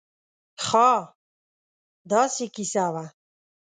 خاا داسې قیصه وه